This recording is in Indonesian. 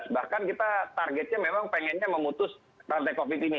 bahkan kita targetnya memang pengennya memutus rantai covid ini